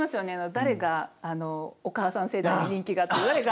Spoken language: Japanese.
誰があのお母さん世代で人気があって誰が。